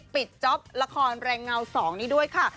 จ๊อปละครแรงเงา๒นี้ด้วยค่ะ